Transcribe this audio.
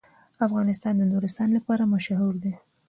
افغانستان د نورستان لپاره مشهور دی.